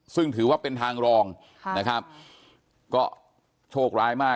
ซึ่งถือว่าเป็นทางรองค่ะนะครับก็โชคร้ายมาก